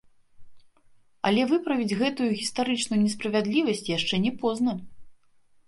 Але выправіць гэтую гістарычную несправядлівасць яшчэ не позна.